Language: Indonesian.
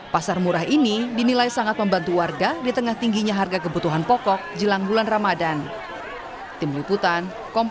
pasar murah ini dinilai sangat membantu warga di tengah tingginya harga kebutuhan pokok jelang bulan ramadan